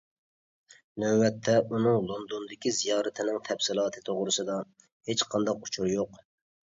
نۆۋەتتە ئۇنىڭ لوندوندىكى زىيارىتىنىڭ تەپسىلاتى توغرىسىدا ھېچقانداق ئۇچۇر يوق.